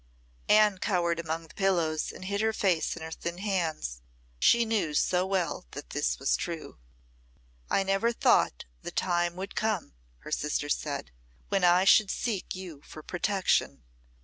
Anne cowered among the pillows and hid her face in her thin hands. She knew so well that this was true. "I never thought the time would come," her sister said, "when I should seek you for protection.